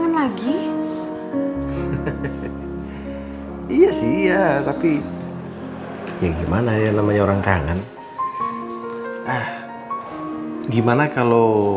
andai saja anaknya andin tidak meninggal